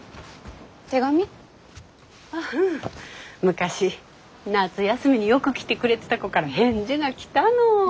昔夏休みによく来てくれてた子から返事が来たの。